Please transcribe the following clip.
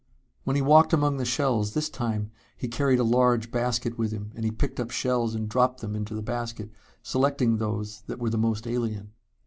When he walked among the shells this time he carried a large basket with him and he picked up shells and dropped them into the basket, selecting those that were the most alien.